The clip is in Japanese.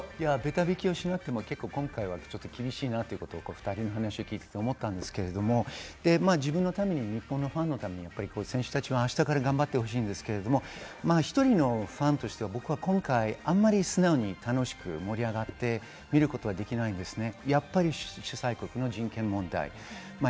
ベタ引きしなくても今回は厳しいなということを２人にお話を聞いていて思ったんですけれども、自分のために日本のファンのために選手たちは明日から頑張ってほしいんですけど、１人のファンとして僕は今回あまり素直に楽しく盛り上がって見ることはできないんですね。